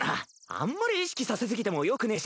あんまり意識させ過ぎてもよくねぇしな。